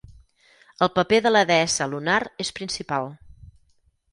El paper de la deessa lunar és principal.